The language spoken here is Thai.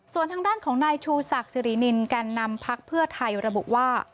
ส่วนทางด้านของนายชูศักดิ์สิรินินแก่นนำพักเพื่อไทยระบุว่า